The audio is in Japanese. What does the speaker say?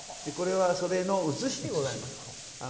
これはそれの写しでございます。